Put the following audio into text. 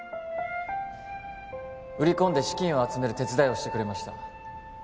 売り込んで資金を集める手伝いをしてくれました